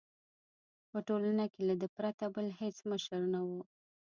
په ټولنه کې له ده پرته بل هېڅ مشر نه وو.